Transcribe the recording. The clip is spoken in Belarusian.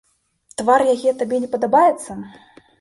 Твар яе табе не падабаецца?